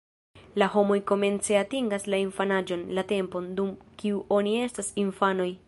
La homoj komence atingas la infanaĝon, la tempon, dum kiu oni estas infanoj.